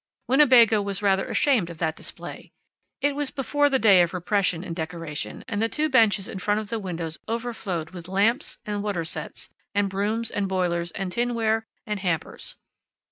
Winnebago was rather ashamed of that display. It was before the day of repression in decoration, and the two benches in front of the windows overflowed with lamps, and water sets, and brooms, and boilers and tinware and hampers.